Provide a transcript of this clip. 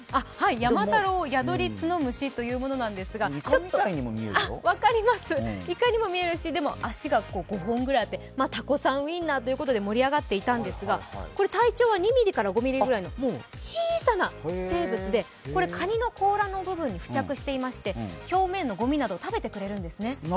ヤマタロウヤドリツノムシというものなんですが、いかにも見えるし、足が５本ぐらいあって、たこさんウインナーということで盛り上がっていたんですが、これ、体長は２ｍｍから５ｍｍぐらいの小さな生物でかにの甲羅の部分に付着していまして表面のごみなどを食べてくれるんですね。